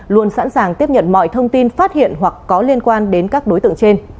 luôn sẵn sàng tiếp nhận mọi thông tin phát hiện hoặc có liên quan đến các đối tượng trên